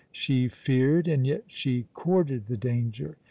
She feared, and yet she courted the danger.